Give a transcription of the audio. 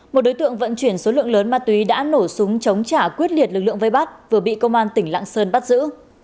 một đối tượng vận chuyển số lượng lớn ma túy đã nổ súng chống trả quyết liệt lực lượng vây bắt vừa bị công an tỉnh lạng sơn bắt giữ